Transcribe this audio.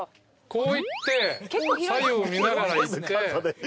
こう行って左右見ながら行って。